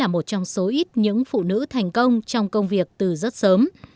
một người phụ nữ thành công trong công việc từ rất sớm